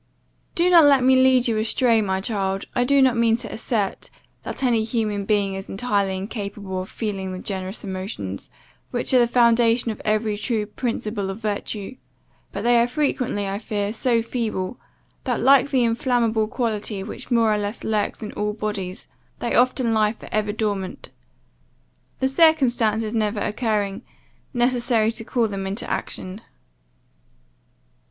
"Do not let me lead you astray, my child, I do not mean to assert, that any human being is entirely incapable of feeling the generous emotions, which are the foundation of every true principle of virtue; but they are frequently, I fear, so feeble, that, like the inflammable quality which more or less lurks in all bodies, they often lie for ever dormant; the circumstances never occurring, necessary to call them into action.